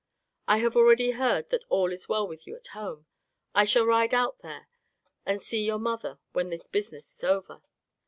I have already heard that all is well with you at home. I shall ride out there and see your mother when this business is over.